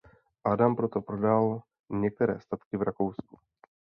Adam proto prodal některé statky v Rakousku.